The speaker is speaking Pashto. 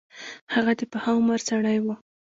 هغه د پاخه عمر سړی وو.